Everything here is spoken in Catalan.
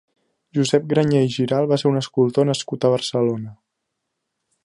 Josep Granyer i Giralt va ser un escultor nascut a Barcelona.